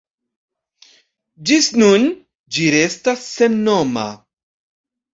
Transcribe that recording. Ĝis nun, ĝi restas sennoma.